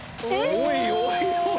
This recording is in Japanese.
おいおいおいおい！